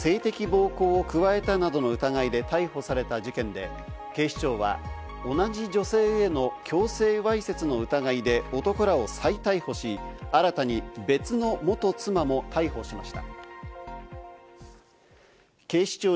一夫多妻の生活を送っていた７５歳の男らが１０代の女性に性的暴行を加えたなどの疑いで逮捕された事件で、警視庁は同じ女性への強制わいせつの疑いで男らを再逮捕し、新たに別の元妻も逮捕しました。